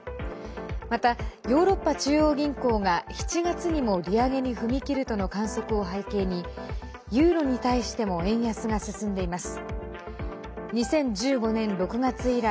また、ヨーロッパ中央銀行が７月にも利上げに踏み切るとの観測を背景にユーロに対しても円安が進んでいます。